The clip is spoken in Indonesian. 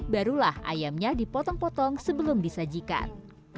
barulah ayamnya dipotong potong sebelum disajikan